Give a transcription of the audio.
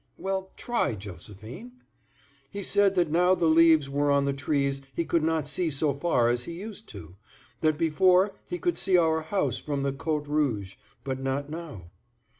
"Well, try, Josephine." "He said that now the leaves were on the trees he could not see so far as he used to. That before, he could see our house from the Côte Rouge, but not now."